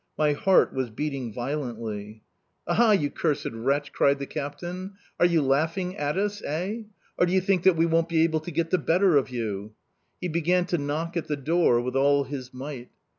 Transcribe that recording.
My heart was beating violently. "Aha, you cursed wretch!" cried the captain. "Are you laughing at us, eh? Or do you think that we won't be able to get the better of you?" He began to knock at the door with all his might.